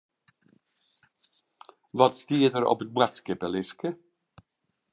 Wat stiet der op it boadskiplistke?